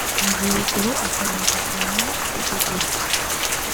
Nziruguru akomereka cyane ku kuguru